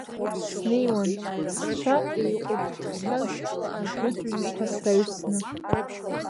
Снеиуан, зцәа еиҟәыддхьаз ажәытә ҩнқәа сраҩсны.